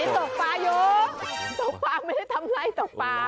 แต่นี่ตกป่าเยอะตกป่าไม่ได้ทำไรตกป่า